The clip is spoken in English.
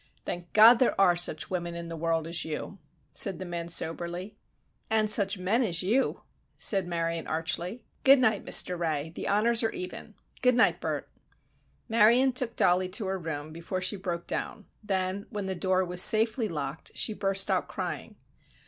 "Thank God there are such women in the world as you," said the young man soberly. "And such men as you," said Marion, archly. "Good night, Mr. Ray, the honors are even. Good night, Bert." Marion took Dollie to her room before she broke down; then, when the door was safely locked, she burst out crying.